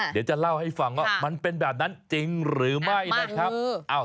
เดี๋ยวจะเล่าให้ฟังว่ามันเป็นแบบนั้นจริงหรือไม่นะครับ